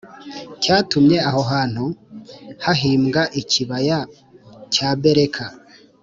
cyatumye aho hantu hahimbwa ikibaya cya Beraka